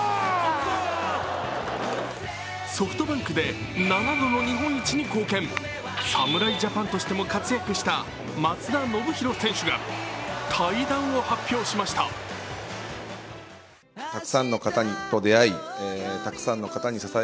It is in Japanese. ソフトバンクで７度の日本一に貢献、侍ジャパンとしても活躍した松田宣浩選手が退団を発表しました。